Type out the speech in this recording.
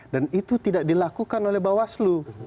itu tidak dilakukan oleh bawaslu